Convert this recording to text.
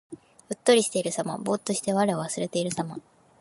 うっとりしているさま。ぼうっとして我を忘れているさま。